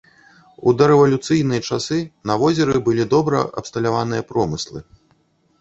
У дарэвалюцыйныя часы на возеры былі добра абсталяваныя промыслы.